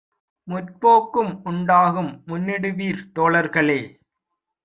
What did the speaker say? முற்போக்கும் உண்டாகும் முன்னிடுவீர் தோழர்களே!